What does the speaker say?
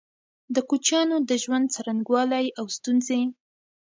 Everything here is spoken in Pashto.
د کوچيانو د ژوند څرنګوالی او ستونزي